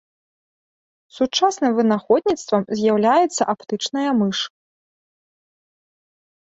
Сучасным вынаходніцтвам з'яўляецца аптычная мыш.